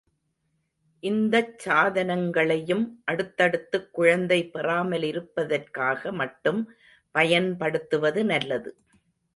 இந்தச் சாதனங்களையும் அடுத்தடுத்துக் குழந்தை பெறாமலிருப்பதற்காக மட்டும் பயன்படுத்துவது நல்லது.